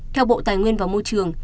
theo bộ tài nguyên và môi trường